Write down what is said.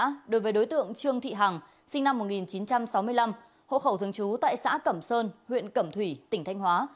truy nã đối với đối tượng trương thị hằng sinh năm một nghìn chín trăm sáu mươi năm hộ khẩu thường trú tại xã cẩm sơn huyện cẩm thủy tỉnh thanh hóa